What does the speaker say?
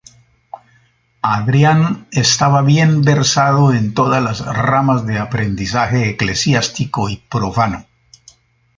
Adrián estaba bien versado en todas las ramas de aprendizaje eclesiástico y profano.